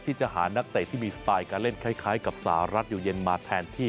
ที่จะหานักเตะที่มีสไตล์การเล่นคล้ายกับสหรัฐอยู่เย็นมาแทนที่